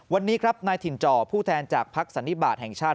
วันนี้ครับนายถิ่นจ่อผู้แทนจากภักดิบาทแห่งชาติ